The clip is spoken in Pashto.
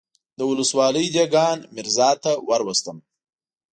د ولسوالۍ دېګان ميرزا ته وروستم.